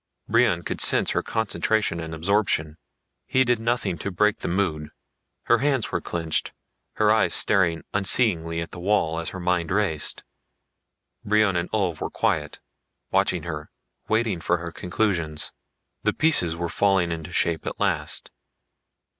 Brion could sense her concentration and absorption. He did nothing to break the mood. Her hands were clenched, her eyes staring unseeingly at the wall as her mind raced. Brion and Ulv were quiet, watching her, waiting for her conclusions. The pieces were falling into shape at last.